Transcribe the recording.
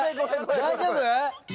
大丈夫？